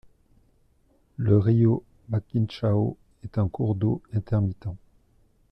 Le río Maquinchao est un cours d'eau intermittent.